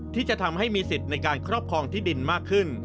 ที่จะทำให้มีสิทธิ์ในการครอบครองที่ดินมากขึ้น